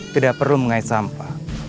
tidak perlu mengait sampah